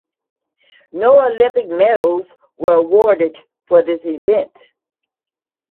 No Olympic medals were awarded for this event.